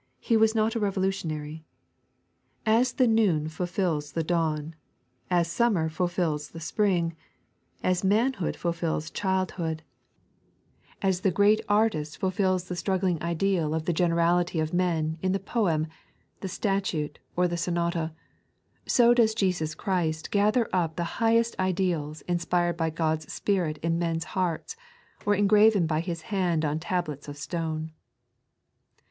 He was not a revolu tionary. As the noon fulfils the dawn, as summer fulfils the spring, as manhood fulfils childhood, aa the great artist 3.n.iized by Google 48 Cheibt the Completbmbnt op Human Lipb. fnlfile the atruggling ideal of the generality of men in the poem, the statue, or the sonata, so does Jeeus Christ gather np the highest ideak inepired by Ood'e Spirit in men's hearts or engraven by His hand on tablets of stone.